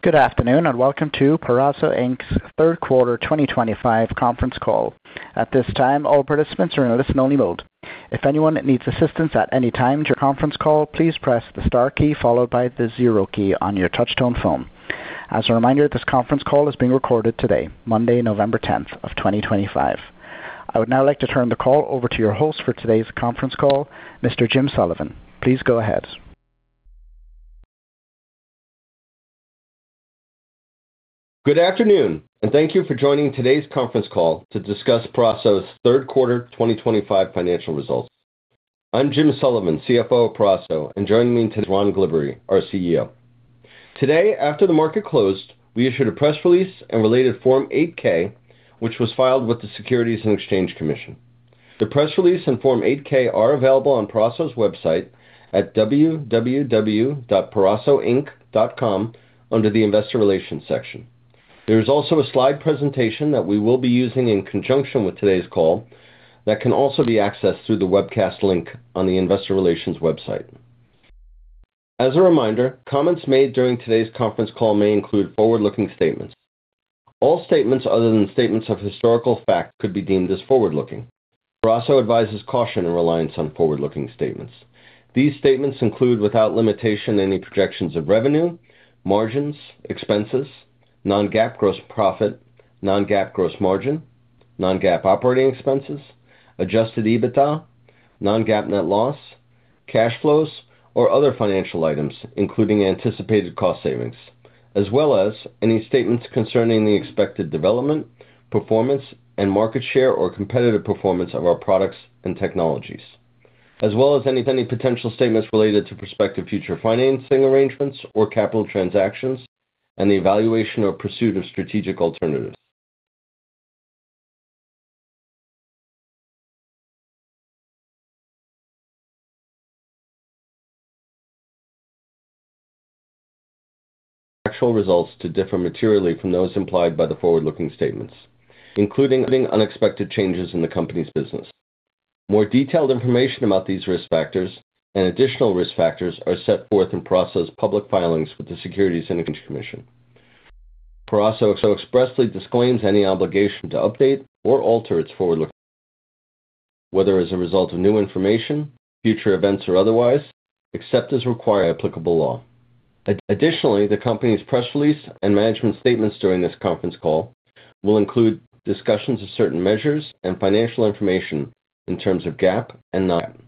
Good afternoon and welcome to Peraso's third quarter 2025 conference call. At this time, all participants are in a listen-only mode. If anyone needs assistance at any time during the conference call, please press the star key followed by the zero key on your touch-tone phone. As a reminder, this conference call is being recorded today, Monday, November 10th of 2025. I would now like to turn the call over to your host for today's conference call, Mr. Jim Sullivan. Please go ahead. Good afternoon, and thank you for joining today's conference call to discuss Peraso's third quarter 2025 financial results. I'm Jim Sullivan, CFO of Peraso, and joining me today is Ron Glibbery, our CEO. Today, after the market closed, we issued a press release and related Form 8-K, which was filed with the Securities and Exchange Commission. The press release and Form 8-K are available on Peraso's website at www.peraso-inc.com under the Investor Relations section. There is also a slide presentation that we will be using in conjunction with today's call that can also be accessed through the webcast link on the Investor Relations website. As a reminder, comments made during today's conference call may include forward-looking statements. All statements other than statements of historical fact could be deemed as forward-looking. Peraso advises caution in reliance on forward-looking statements. These statements include, without limitation, any projections of revenue, margins, expenses, non-GAAP gross profit, non-GAAP gross margin, non-GAAP operating expenses, Adjusted EBITDA, non-GAAP net loss, cash flows, or other financial items, including anticipated cost savings, as well as any statements concerning the expected development, performance, and market share or competitive performance of our products and technologies, as well as any potential statements related to prospective future financing arrangements or capital transactions and the evaluation or pursuit of strategic alternatives. Actual results could differ materially from those implied by the forward-looking statements, including unexpected changes in the company's business. More detailed information about these risk factors and additional risk factors are set forth in Peraso's public filings with the Securities and Exchange Commission. Peraso expressly disclaims any obligation to update or alter its forward-looking statements, whether as a result of new information, future events, or otherwise, except as required by applicable law. Additionally, the company's press release and management statements during this conference call will include discussions of certain measures and financial information in terms of GAAP and non-GAAP.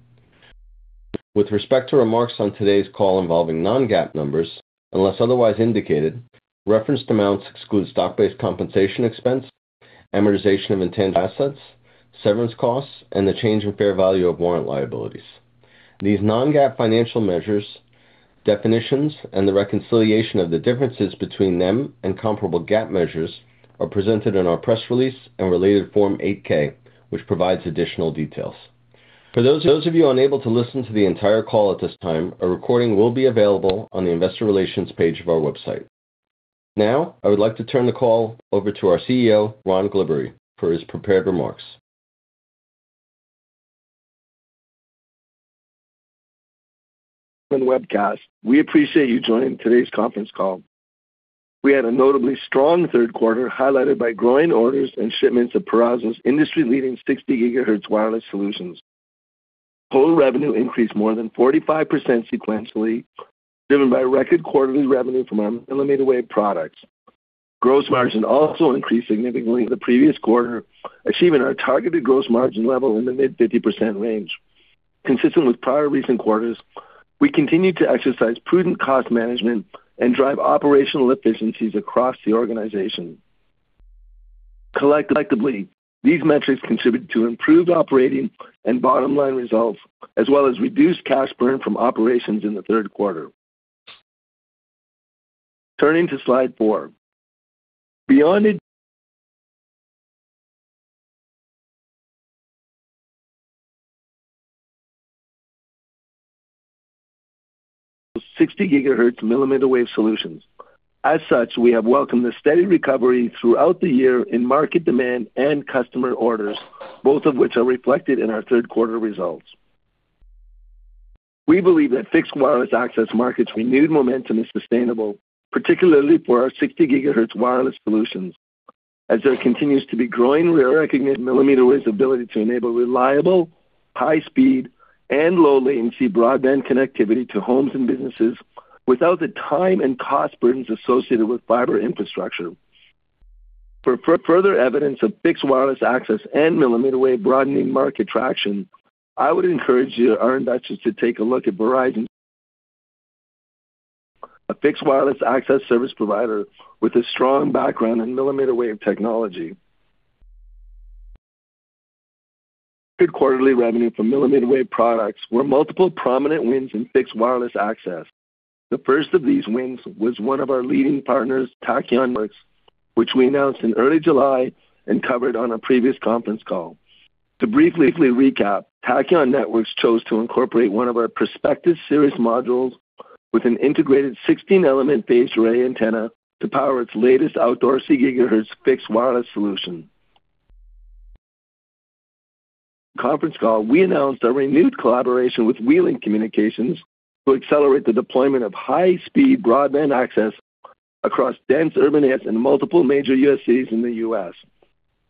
With respect to remarks on today's call involving non-GAAP numbers, unless otherwise indicated, referenced amounts exclude stock-based compensation expense, amortization of intangible assets, severance costs, and the change in fair value of warrant liabilities. These non-GAAP financial measures, definitions, and the reconciliation of the differences between them and comparable GAAP measures are presented in our press release and related Form 8-K, which provides additional details. For those of you unable to listen to the entire call at this time, a recording will be available on the Investor Relations page of our website. Now, I would like to turn the call over to our CEO, Ron Glibbery, for his prepared remarks. We appreciate you joining today's conference call. We had a notably strong third quarter highlighted by growing orders and shipments of Peraso's industry-leading 60 GHz wireless solutions. Total revenue increased more than 45% sequentially, driven by record quarterly revenue from our millimeter wave products. Gross margin also increased significantly in the previous quarter, achieving our targeted gross margin level in the mid-50% range. Consistent with prior recent quarters, we continue to exercise prudent cost management and drive operational efficiencies across the organization. Collectively, these metrics contribute to improved operating and bottom-line results, as well as reduced cash burn from operations in the third quarter. Turning to slide four, beyond 60 GHz millimeter wave solutions. As such, we have welcomed a steady recovery throughout the year in market demand and customer orders, both of which are reflected in our third quarter results. We believe that fixed wireless access markets' renewed momentum is sustainable, particularly for our 60 GHz wireless solutions, as there continues to be growing recognition of millimeter wave's ability to enable reliable, high-speed, and low-latency broadband connectivity to homes and businesses without the time and cost burdens associated with fiber infrastructure. For further evidence of fixed wireless access and millimeter wave broadening market traction, I would encourage our investors to take a look at Verizon, a fixed wireless access service provider with a strong background in millimeter wave technology. Quarterly revenue from millimeter wave products were multiple prominent wins in fixed wireless access. The first of these wins was one of our leading partners, Tachyon Networks, which we announced in early July and covered on a previous conference call. To briefly recap, Tachyon Networks chose to incorporate one of our Perspectus series modules with an integrated 16-element phased array antenna to power its latest outdoor 60 GHz fixed wireless solution. During the conference call, we announced our renewed collaboration with WeLink Communications to accelerate the deployment of high-speed broadband access across dense urban areas and multiple major U.S. cities.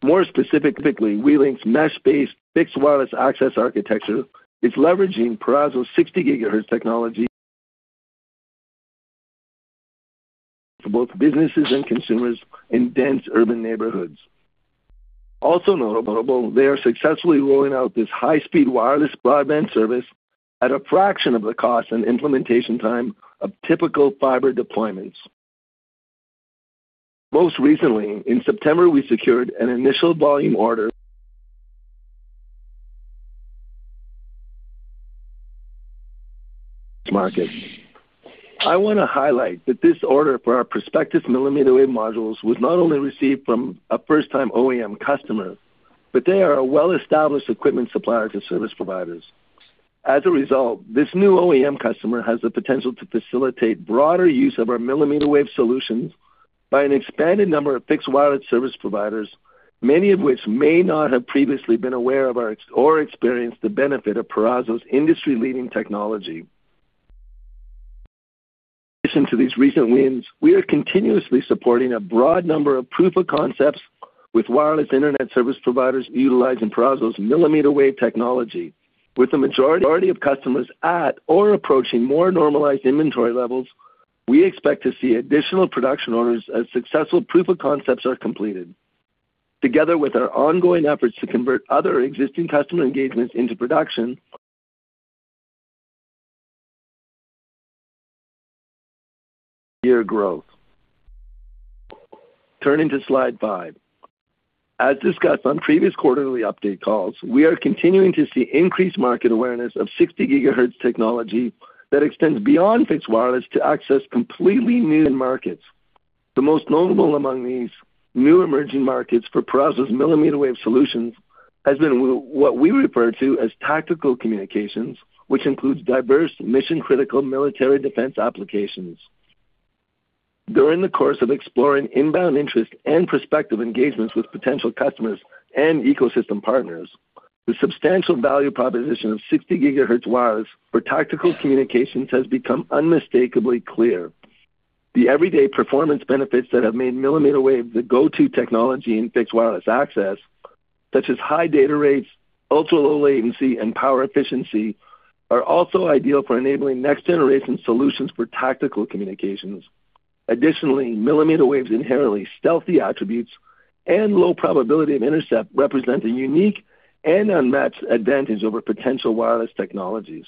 More specifically, WeLink's mesh-based fixed wireless access architecture is leveraging Peraso's 60 GHz technology for both businesses and consumers in dense urban neighborhoods. Also notable, they are successfully rolling out this high-speed wireless broadband service at a fraction of the cost and implementation time of typical fiber deployments. Most recently, in September, we secured an initial volume order. I want to highlight that this order for our Perspectus mmWave modules was not only received from a first-time OEM customer, but they are a well-established equipment supplier to service providers. As a result, this new OEM customer has the potential to facilitate broader use of our millimeter wave solutions by an expanded number of fixed wireless service providers, many of which may not have previously been aware of or experienced the benefit of Peraso's industry-leading technology. In addition to these recent wins, we are continuously supporting a broad number of proof-of-concepts with wireless internet service providers utilizing Peraso's millimeter wave technology. With the majority of customers at or approaching more normalized inventory levels, we expect to see additional production orders as successful proof-of-concepts are completed, together with our ongoing efforts to convert other existing customer engagements into production. Turning to slide five. As discussed on previous quarterly update calls, we are continuing to see increased market awareness of 60 GHz technology that extends beyond fixed wireless to access completely new markets. The most notable among these new emerging markets for Peraso's millimeter wave solutions has been what we refer to as tactical communications, which includes diverse mission-critical military defense applications. During the course of exploring inbound interest and prospective engagements with potential customers and ecosystem partners, the substantial value proposition of 60 GHz wireless for tactical communications has become unmistakably clear. The everyday performance benefits that have made millimeter wave the go-to technology in fixed wireless access, such as high data rates, ultra-low latency, and power efficiency, are also ideal for enabling next-generation solutions for tactical communications. Additionally, millimeter wave's inherently stealthy attributes and low probability of intercept represent a unique and unmatched advantage over potential wireless technologies.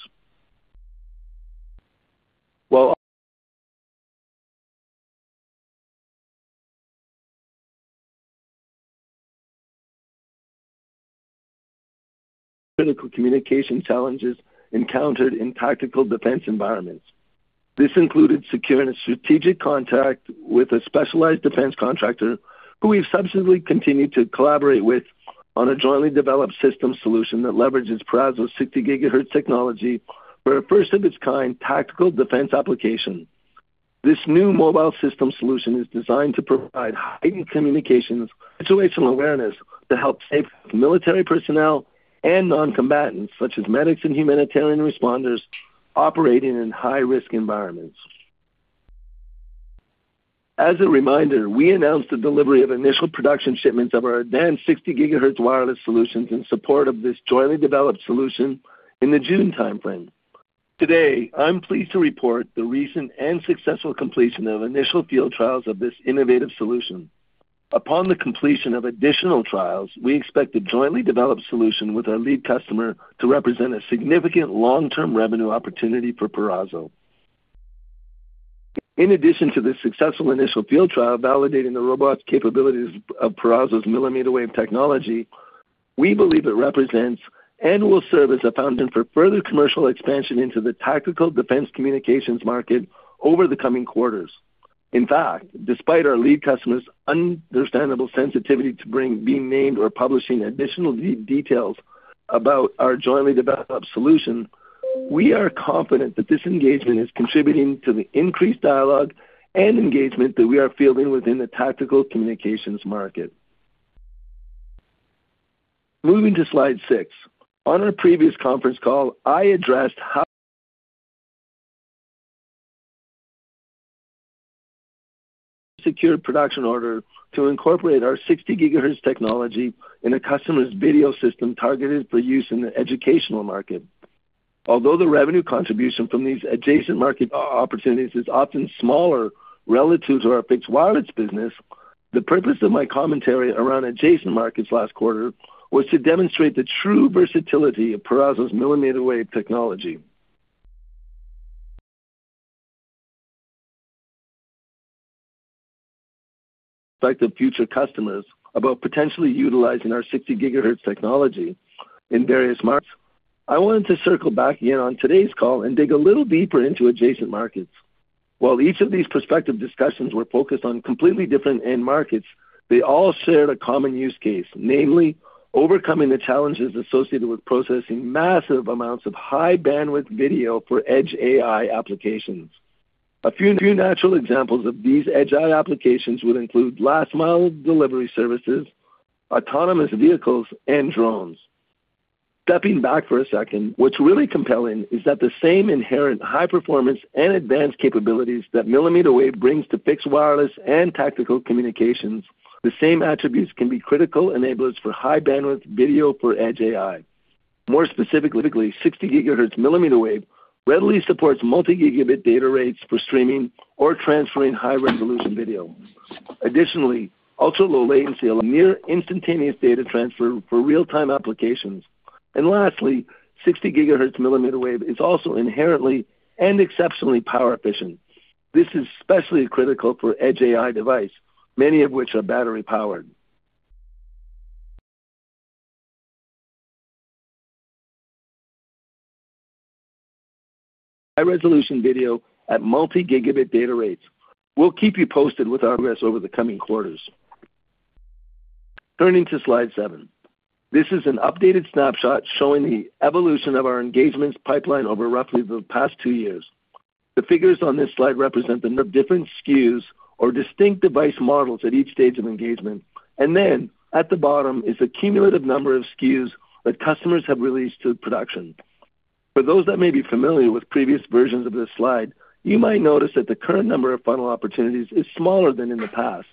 While critical communication challenges encountered in tactical defense environments, this included securing a strategic contact with a specialized defense contractor who we've subsequently continued to collaborate with on a jointly developed system solution that leverages Peraso's 60 GHz technology for a first-of-its-kind tactical defense application. This new mobile system solution is designed to provide heightened communications and situational awareness to help save military personnel and non-combatants, such as medics and humanitarian responders, operating in high-risk environments. As a reminder, we announced the delivery of initial production shipments of our advanced 60 GHz wireless solutions in support of this jointly developed solution in the June timeframe. Today, I'm pleased to report the recent and successful completion of initial field trials of this innovative solution. Upon the completion of additional trials, we expect the jointly developed solution with our lead customer to represent a significant long-term revenue opportunity for Peraso. In addition to the successful initial field trial validating the robust capabilities of Peraso's millimeter wave technology, we believe it represents and will serve as a foundation for further commercial expansion into the tactical defense communications market over the coming quarters. In fact, despite our lead customer's understandable sensitivity to being named or publishing additional details about our jointly developed solution, we are confident that this engagement is contributing to the increased dialogue and engagement that we are fielding within the tactical communications market. Moving to slide six. On our previous conference call, I addressed how we secured a production order to incorporate our 60 GHz technology in a customer's video system targeted for use in the educational market. Although the revenue contribution from these adjacent market opportunities is often smaller relative to our fixed wireless business, the purpose of my commentary around adjacent markets last quarter was to demonstrate the true versatility of Peraso's millimeter wave technology. In fact, the future customers about potentially utilizing our 60 GHz technology in various markets, I wanted to circle back in on today's call and dig a little deeper into adjacent markets. While each of these prospective discussions were focused on completely different end markets, they all shared a common use case, namely overcoming the challenges associated with processing massive amounts of high-bandwidth video for edge AI applications. A few natural examples of these edge AI applications would include last-mile delivery services, autonomous vehicles, and drones. Stepping back for a second, what's really compelling is that the same inherent high-performance and advanced capabilities that millimeter wave brings to fixed wireless and tactical communications, the same attributes can be critical enablers for high-bandwidth video for edge AI. More specifically, 60 GHz mm wave readily supports multi-gigabit data rates for streaming or transferring high-resolution video. Additionally, ultra-low latency allows near-instantaneous data transfer for real-time applications. Lastly, 60 GHz mm wave is also inherently and exceptionally power efficient. This is especially critical for edge AI devices, many of which are battery-powered. High-resolution video at multi-gigabit data rates. We'll keep you posted with our progress over the coming quarters. Turning to slide seven. This is an updated snapshot showing the evolution of our engagements pipeline over roughly the past two years. The figures on this slide represent the different SKUs or distinct device models at each stage of engagement. Then, at the bottom is the cumulative number of SKUs that customers have released to production. For those that may be familiar with previous versions of this slide, you might notice that the current number of funnel opportunities is smaller than in the past.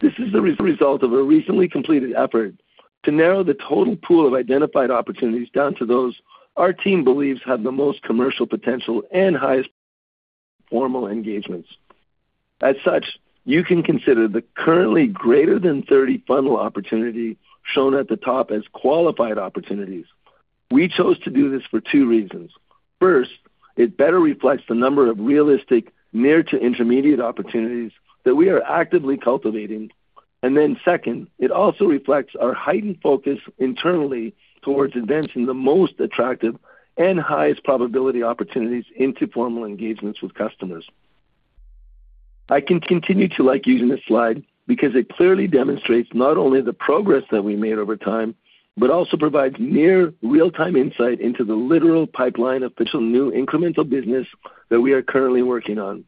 This is the result of a recently completed effort to narrow the total pool of identified opportunities down to those our team believes have the most commercial potential and highest formal engagements. As such, you can consider the currently greater than 30 funnel opportunity shown at the top as qualified opportunities. We chose to do this for two reasons. First, it better reflects the number of realistic near-to-intermediate opportunities that we are actively cultivating. Second, it also reflects our heightened focus internally towards advancing the most attractive and highest probability opportunities into formal engagements with customers. I can continue to like using this slide because it clearly demonstrates not only the progress that we made over time, but also provides near real-time insight into the literal pipeline of fixed new incremental business that we are currently working on.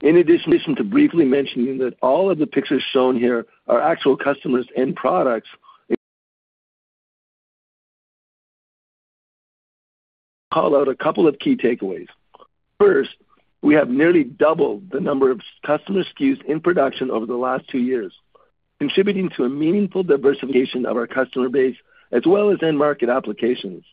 In addition to briefly mentioning that all of the pictures shown here are actual customers and products, I'll call out a couple of key takeaways. First, we have nearly doubled the number of customer SKUs in production over the last two years, contributing to a meaningful diversification of our customer base as well as end market applications.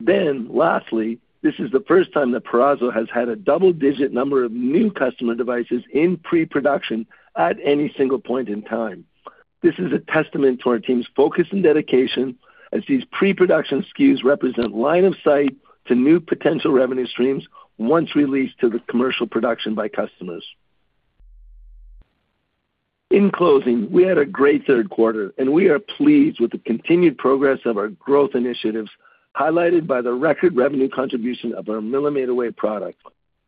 Lastly, this is the first time that Peraso has had a double-digit number of new customer devices in pre-production at any single point in time. This is a testament to our team's focus and dedication as these pre-production SKUs represent line of sight to new potential revenue streams once released to the commercial production by customers. In closing, we had a great third quarter, and we are pleased with the continued progress of our growth initiatives highlighted by the record revenue contribution of our millimeter wave product.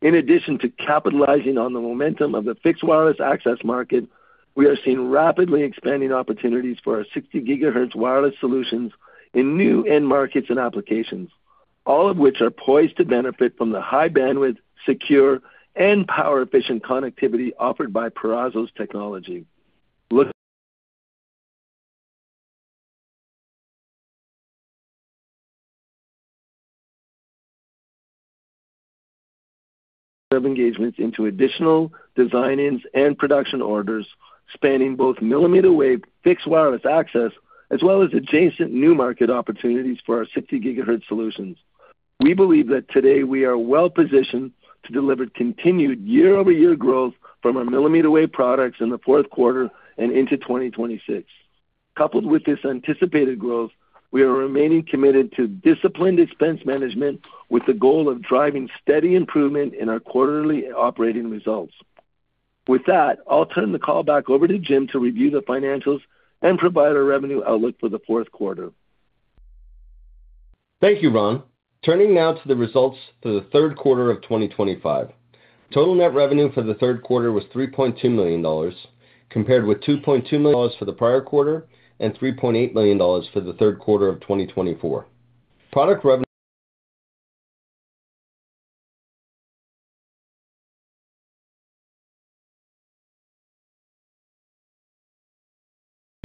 In addition to capitalizing on the momentum of the fixed wireless access market, we are seeing rapidly expanding opportunities for our 60 GHz wireless solutions in new end markets and applications, all of which are poised to benefit from the high-bandwidth, secure, and power-efficient connectivity offered by Peraso's technology. Of engagements into additional design ins and production orders spanning both millimeter wave fixed wireless access as well as adjacent new market opportunities for our 60 GHz solutions. We believe that today we are well-positioned to deliver continued year-over-year growth from our millimeter wave products in the fourth quarter and into 2026. Coupled with this anticipated growth, we are remaining committed to disciplined expense management with the goal of driving steady improvement in our quarterly operating results. With that, I'll turn the call back over to Jim to review the financials and provide our revenue outlook for the fourth quarter. Thank you, Ron. Turning now to the results for the third quarter of 2025. Total net revenue for the third quarter was $3.2 million, compared with $2.2 million for the prior quarter and $3.8 million for the third quarter of 2024. Product revenue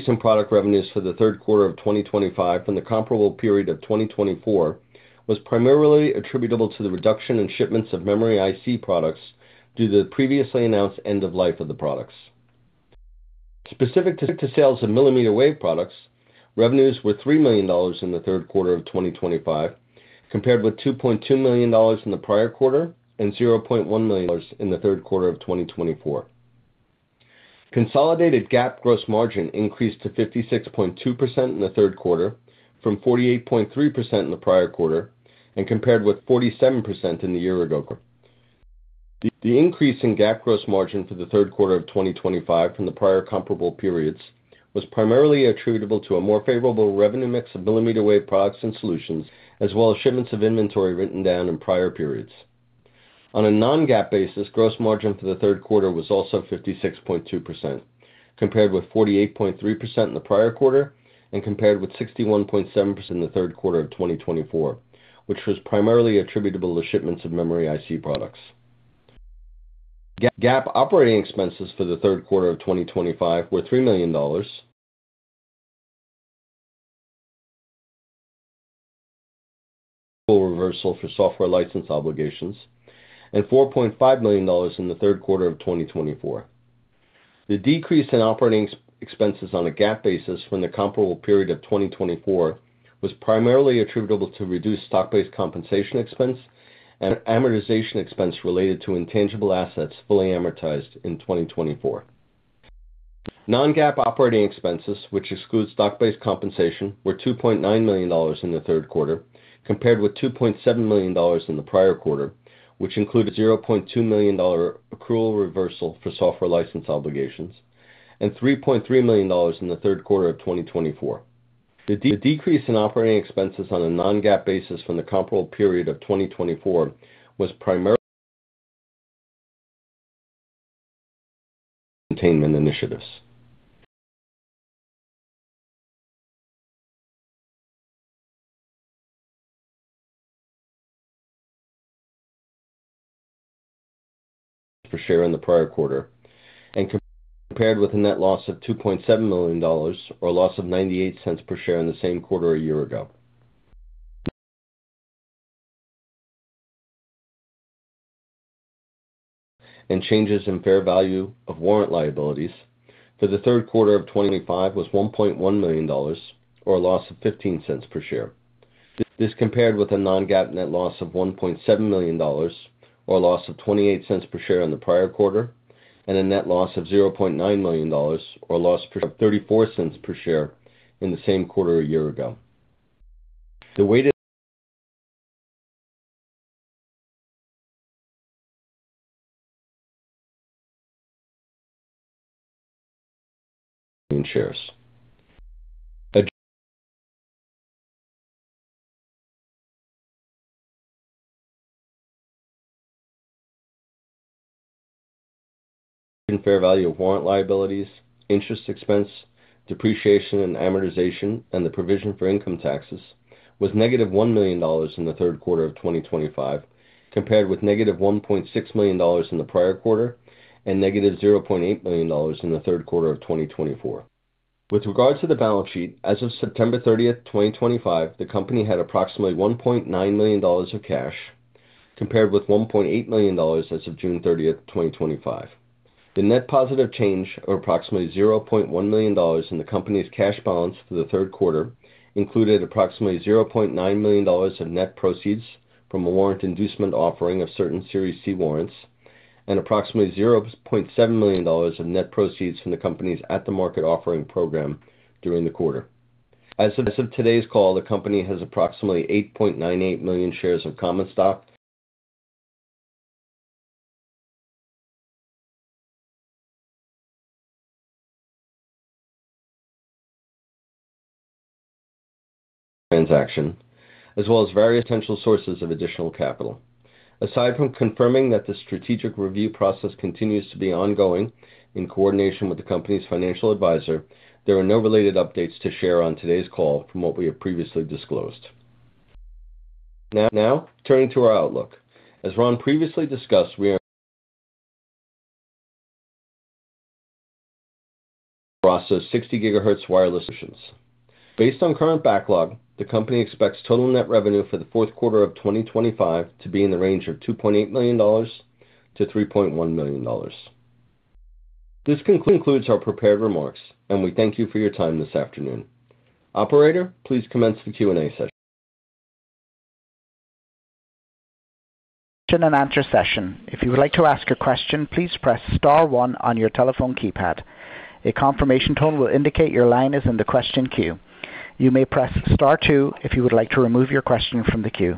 and product revenues for the third quarter of 2025 from the comparable period of 2024 was primarily attributable to the reduction in shipments of memory IC products due to the previously announced end of life of the products. Specific to sales of millimeter wave products, revenues were $3 million in the third quarter of 2025, compared with $2.2 million in the prior quarter and $0.1 million in the third quarter of 2024. Consolidated GAAP gross margin increased to 56.2% in the third quarter from 48.3% in the prior quarter and compared with 47% in the year ago. The increase in GAAP gross margin for the third quarter of 2025 from the prior comparable periods was primarily attributable to a more favorable revenue mix of millimeter wave products and solutions, as well as shipments of inventory written down in prior periods. On a non-GAAP basis, gross margin for the third quarter was also 56.2%, compared with 48.3% in the prior quarter and compared with 61.7% in the third quarter of 2024, which was primarily attributable to shipments of memory IC products. GAAP operating expenses for the third quarter of 2025 were $3 million for reversal for software license obligations and $4.5 million in the third quarter of 2024. The decrease in operating expenses on a GAAP basis from the comparable period of 2024 was primarily attributable to reduced stock-based compensation expense and amortization expense related to intangible assets fully amortized in 2024. Non-GAAP operating expenses, which excludes stock-based compensation, were $2.9 million in the third quarter, compared with $2.7 million in the prior quarter, which included $0.2 million accrual reversal for software license obligations and $3.3 million in the third quarter of 2024. The decrease in operating expenses on a non-GAAP basis from the comparable period of 2024 was primarily containment initiatives. Per share in the prior quarter and compared with a net loss of $2.7 million or a loss of $0.98 per share in the same quarter a year ago. Changes in fair value of warrant liabilities for the third quarter of 2025 was $1.1 million or a loss of $0.15 per share. This compared with a non-GAAP net loss of $1.7 million or a loss of $0.28 per share in the prior quarter and a net loss of $0.9 million or a loss of $0.34 per share in the same quarter a year ago. The weighted shares. Fair value of warrant liabilities, interest expense, depreciation, and amortization, and the provision for income taxes was -$1 million in the third quarter of 2025, compared with -$1.6 million in the prior quarter and -$0.8 million in the third quarter of 2024. With regards to the balance sheet, as of September 30th, 2025, the company had approximately $1.9 million of cash, compared with $1.8 million as of June 30th, 2025. The net positive change of approximately $0.1 million in the company's cash balance for the third quarter included approximately $0.9 million of net proceeds from a warrant inducement offering of certain Series C warrants and approximately $0.7 million of net proceeds from the company's at-the-market offering program during the quarter. As of today's call, the company has approximately 8.98 million shares of common stock. Transaction, as well as various potential sources of additional capital. Aside from confirming that the strategic review process continues to be ongoing in coordination with the company's financial advisor, there are no related updates to share on today's call from what we have previously disclosed. Now, turning to our outlook. As Ron previously discussed, we are processing 60 GHz wireless solutions. Based on current backlog, the company expects total net revenue for the fourth quarter of 2025 to be in the range of $2.8 million-$3.1 million. This concludes our prepared remarks, and we thank you for your time this afternoon. Operator, please commence the Q&A session. Question and answer session. If you would like to ask a question, please press star one on your telephone keypad. A confirmation tone will indicate your line is in the question queue. You may press star two if you would like to remove your question from the queue.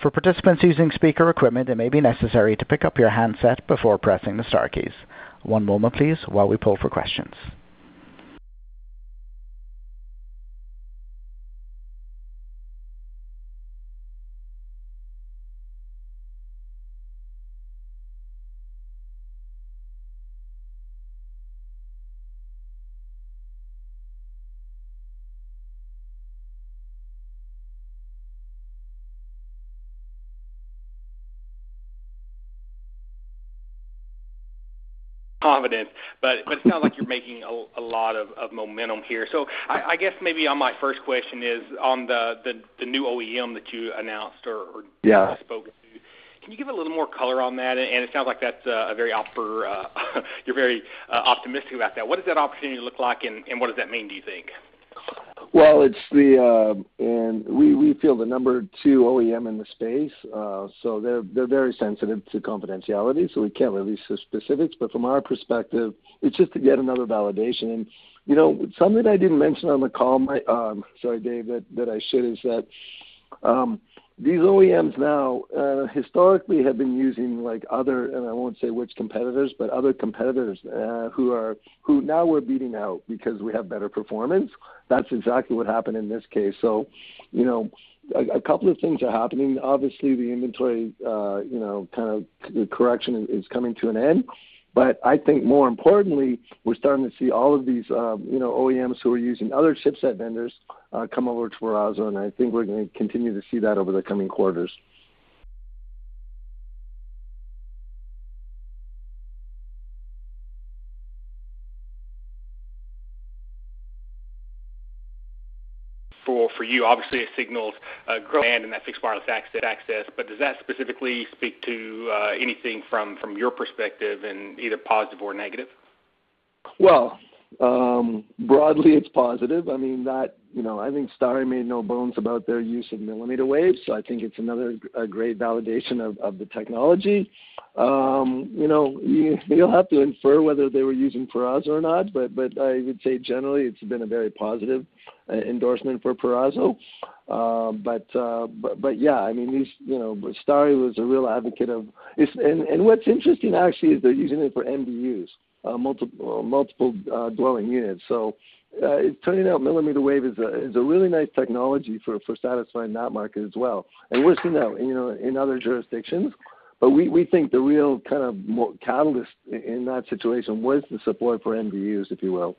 For participants using speaker equipment, it may be necessary to pick up your handset before pressing the star keys. One moment, please, while we pull for questions. Confident, but it sounds like you're making a lot of momentum here. I guess maybe on my first question is on the new OEM that you announced or spoke to, can you give a little more color on that? It sounds like that's a very optimistic about that. What does that opportunity look like, and what does that mean, do you think? It is the. We feel the number two OEM in the space. They are very sensitive to confidentiality, so we can't release the specifics. From our perspective, it's just to get another validation. Something I did not mention on the call, sorry, Dave, that I should, is that these OEMs now historically have been using other, and I will not say which competitors, but other competitors who now we are beating out because we have better performance. That is exactly what happened in this case. A couple of things are happening. Obviously, the inventory kind of correction is coming to an end. I think more importantly, we are starting to see all of these OEMs who are using other chipset vendors come over to Peraso, and I think we are going to continue to see that over the coming quarters. For you, obviously, it signals a growth in that fixed wireless access. Does that specifically speak to anything from your perspective in either positive or negative? Broadly, it is positive. I mean, I think Starry made no bones about their use of millimeter waves, so I think it's another great validation of the technology. You'll have to infer whether they were using Peraso or not, but I would say generally it's been a very positive endorsement for Peraso. Yeah, I mean, Starry was a real advocate of, and what's interesting actually is they're using it for MDUs, multiple dwelling units. It's turning out millimeter wave is a really nice technology for satisfying that market as well. We're seeing that in other jurisdictions, but we think the real kind of catalyst in that situation was the support for MDUs, if you will.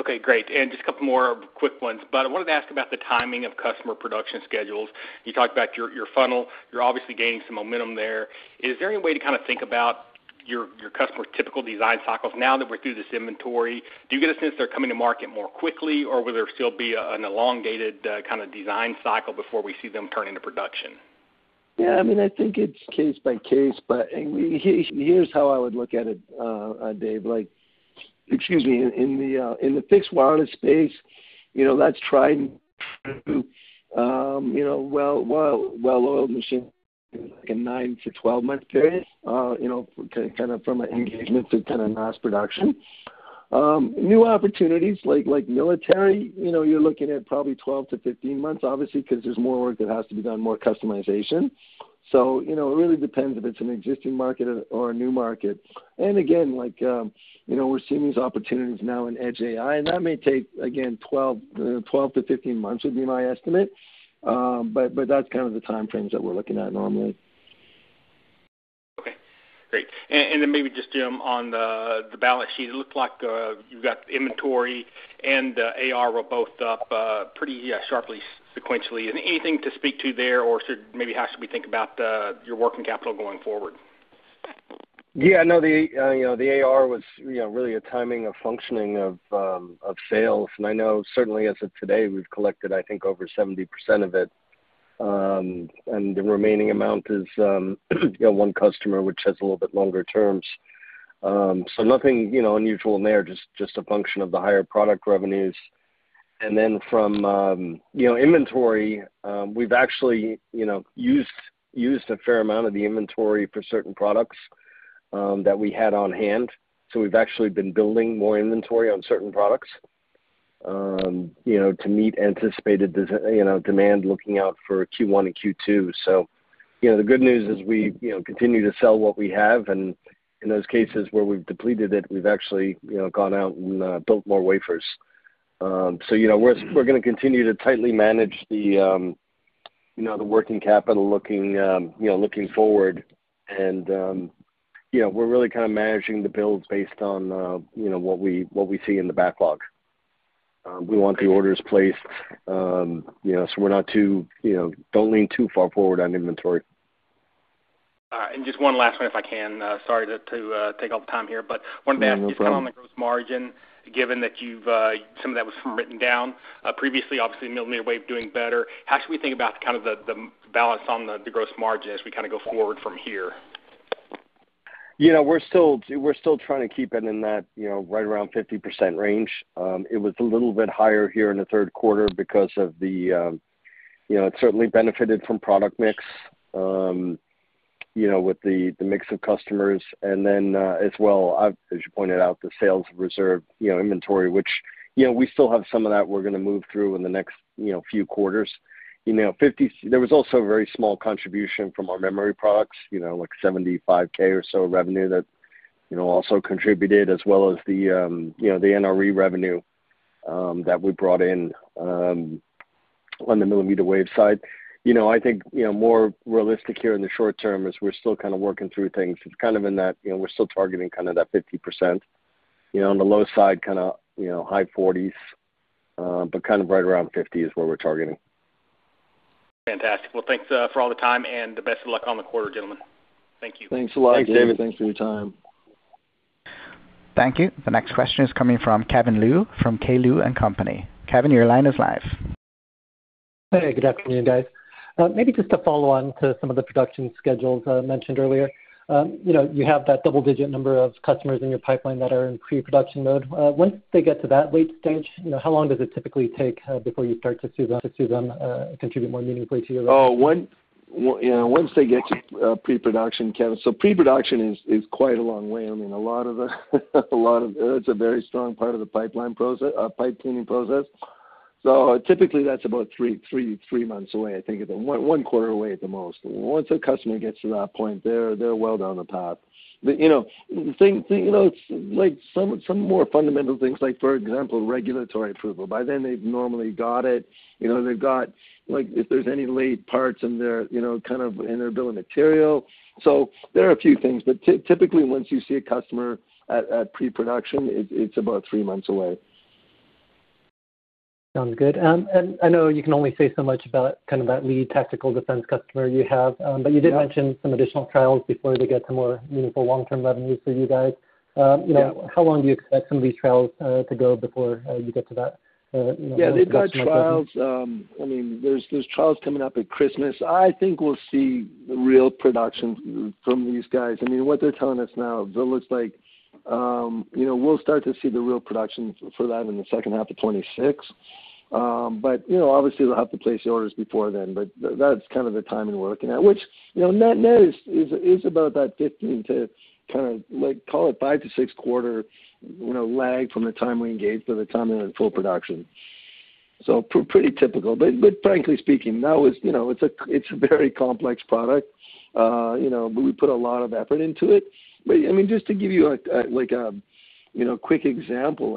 Okay, great. Just a couple more quick ones, but I wanted to ask about the timing of customer production schedules. You talked about your funnel. You're obviously gaining some momentum there. Is there any way to kind of think about your customer typical design cycles now that we're through this inventory? Do you get a sense they're coming to market more quickly, or will there still be an elongated kind of design cycle before we see them turn into production? Yeah, I mean, I think it's case by case, but here's how I would look at it, Dave. Excuse me. In the fixed wireless space, that's tried and true. Well-oiled machines in a 9-12 month period, kind of from an engagement to kind of mass production. New opportunities like military, you're looking at probably 12-15 months, obviously, because there's more work that has to be done, more customization. It really depends if it's an existing market or a new market. Again, we're seeing these opportunities now in edge AI, and that may take, again, 12-15 months would be my estimate. That is kind of the time frames that we're looking at normally. Okay, great. Maybe just, Jim, on the balance sheet, it looks like you've got inventory and AR were both up pretty sharply sequentially. Anything to speak to there or maybe how should we think about your working capital going forward? Yeah, I know the AR was really a timing of functioning of sales. I know certainly as of today, we've collected, I think, over 70% of it. The remaining amount is one customer, which has a little bit longer terms. Nothing unusual in there, just a function of the higher product revenues. From inventory, we've actually used a fair amount of the inventory for certain products that we had on hand. We've actually been building more inventory on certain products to meet anticipated demand looking out for Q1 and Q2. The good news is we continue to sell what we have. In those cases where we've depleted it, we've actually gone out and built more wafers. We're going to continue to tightly manage the working capital looking forward. We're really kind of managing the builds based on what we see in the backlog. We want the orders placed so we don't lean too far forward on inventory. All right. Just one last one, if I can. Sorry to take all the time here, but wanted to ask you kind of on the gross margin, given that some of that was written down previously, obviously, millimeter wave doing better, how should we think about kind of the balance on the gross margin as we kind of go forward from here? We're still trying to keep it in that right around 50% range. It was a little bit higher here in the third quarter because it certainly benefited from product mix with the mix of customers. And then as well, as you pointed out, the sales reserve inventory, which we still have some of that we're going to move through in the next few quarters. There was also a very small contribution from our memory products, like $75,000 or so revenue that also contributed, as well as the NRE revenue that we brought in on the millimeter wave side. I think more realistic here in the short term is we're still kind of working through things. It's kind of in that we're still targeting kind of that 50%. On the low side, kind of high 40s, but kind of right around 50% is where we're targeting. Fantastic. Thanks for all the time and best of luck on the quarter, gentlemen. Thank you. Thanks a lot, Dave. Thanks for your time. Thank you. The next question is coming from Kevin Liu from K. Liu & Company. Kevin, your line is live. Hey, good afternoon, guys. Maybe just to follow on to some of the production schedules mentioned earlier You have that double-digit number of customers in your pipeline that are in pre-production mode. Once they get to that late stage, how long does it typically take before you start to see them contribute more meaningfully to your revenue? Oh, once they get to pre-production, Kevin. So pre-production is quite a long way. I mean, a lot of the, it's a very strong part of the pipeline, pipe cleaning process. Typically, that's about three months away, I think, one quarter away at the most. Once a customer gets to that point, they're well down the path. Things like some more fundamental things, like for example, regulatory approval. By then, they've normally got it. They've got, if there's any late parts in their kind of in their bill of material. There are a few things. Typically, once you see a customer at pre-production, it's about three months away. Sounds good. I know you can only say so much about kind of that lead tactical defense customer you have, but you did mention some additional trials before they get some more meaningful long-term revenues for you guys. How long do you expect some of these trials to go before you get to that? Yeah, they've got trials. I mean, there's trials coming up at Christmas. I think we'll see real production from these guys. I mean, what they're telling us now, it looks like we'll start to see the real production for that in the second half of 2026. Obviously, they'll have to place the orders before then but that's kind of the timing we're looking at, which net is about that 15 to, kind of call it, five- to six-quarter lag from the time we engage to the time they're in full production. Pretty typical. Frankly speaking, it's a very complex product, but we put a lot of effort into it. I mean, just to give you a quick example,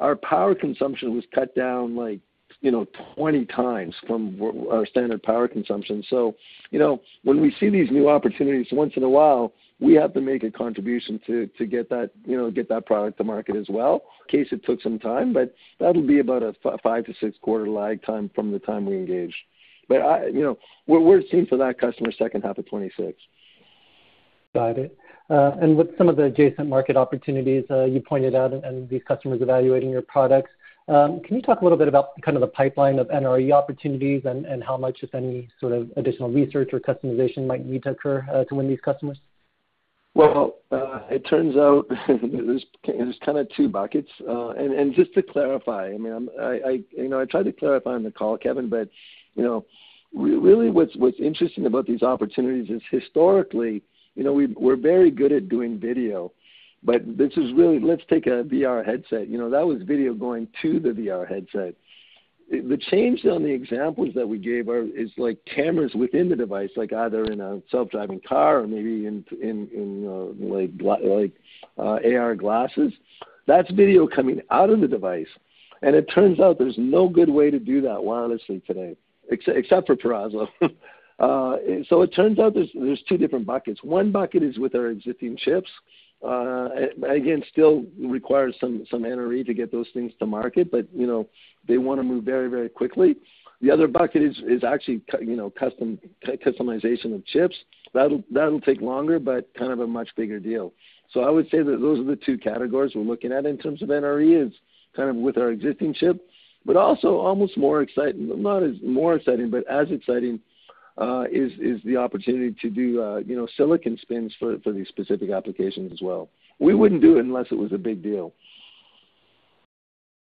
our power consumption was cut down like 20x from our standard power consumption. When we see these new opportunities once in a while, we have to make a contribution to get that product to market as well. In case it took some time, that'll be about a five-to-six-quarter lag time from the time we engaged. We're seeing for that customer second half of 2026. Got it. With some of the adjacent market opportunities you pointed out and these customers evaluating your products, can you talk a little bit about kind of the pipeline of NRE opportunities and how much, if any, sort of additional research or customization might need to occur to win these customers? There are kind of two buckets. Just to clarify, I mean, I tried to clarify on the call, Kevin, but really what's interesting about these opportunities is historically, we're very good at doing video. This is really, let's take a VR headset. That was video going to the VR headset. The change on the examples that we gave is cameras within the device, like either in a self-driving car or maybe in AR glasses. That's video coming out of the device. It turns out there's no good way to do that wirelessly today, except for Peraso. It turns out there's two different buckets. One bucket is with our existing chips. Again, still requires some NRE to get those things to market, but they want to move very, very quickly. The other bucket is actually customization of chips. That'll take longer, but kind of a much bigger deal. I would say that those are the two categories we're looking at in terms of NRE is kind of with our existing chip, but also almost more exciting, not as more exciting, but as exciting is the opportunity to do silicon spins for these specific applications as well. We wouldn't do it unless it was a big deal.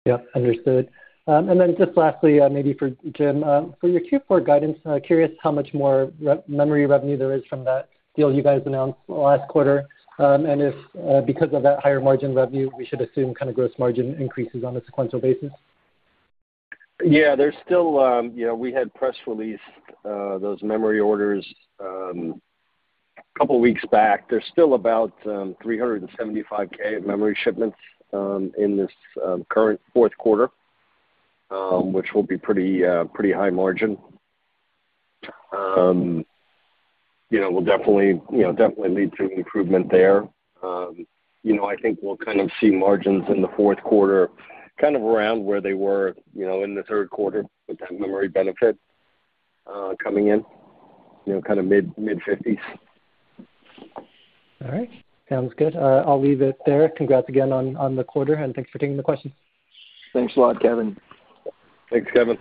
Yep, understood. Lastly, maybe for Jim, for your Q4 guidance, curious how much more memory revenue there is from that deal you guys announced last quarter. And if because of that higher margin revenue, we should assume kind of gross margin increases on a sequential basis. Yeah, there's still, we had press released those memory orders a couple of weeks back. There's still about $375,000 of memory shipments in this current fourth quarter, which will be pretty high margin. We'll definitely need some improvement there. I think we'll kind of see margins in the fourth quarter kind of around where they were in the third quarter with that memory benefit coming in, kind of mid-50%. All right. Sounds good. I'll leave it there. Congrats again on the quarter, and thanks for taking the questions. Thanks a lot, Kevin. Thanks, Kevin.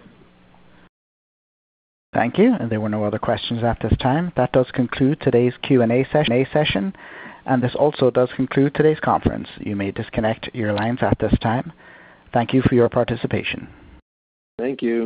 Thank you. There were no other questions at this time. That does conclude today's Q&A session. This also does conclude today's conference. You may disconnect your lines at this time. Thank you for your participation. Thank you.